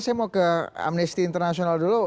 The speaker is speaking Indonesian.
saya mau ke amnesty international dulu